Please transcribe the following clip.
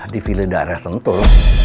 di vili daerah sentul